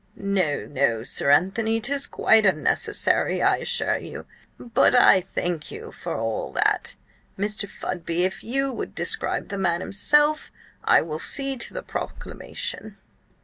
"No, no, Sir Anthony, 'tis quite unnecessary, I assure you, but I thank you for all that. Mr. Fudby, if you would describe the man himself, I will see to the proclamation."